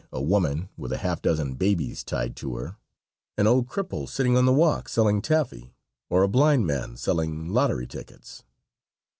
_ a woman with a half dozen babies tied to her; an old cripple sitting on the walk selling taffy, or a blind man selling lottery tickets.